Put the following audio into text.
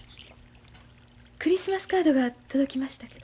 クリスマスカードが届きましたけど。